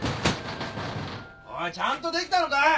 ・・おいちゃんとできたのか？